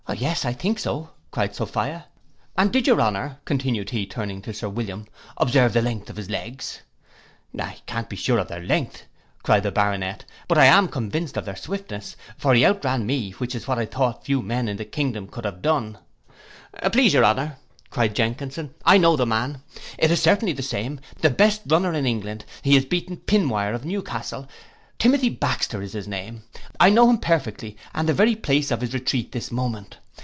'—'Yes, I think so,' cried Sophia.—'And did your honour,' continued he, turning to Sir William, 'observe the length of his legs?'—'I can't be sure of their length,' cried the Baronet, 'but I am convinced of their swiftness; for he out ran me, which is what I thought few men in the kingdom could have done.'—'Please your honour,' cried Jenkinson, 'I know the man: it is certainly the same; the best runner in England; he has beaten Pinwire of Newcastle, Timothy Baxter is his name, I know him perfectly, and the very place of his retreat this moment.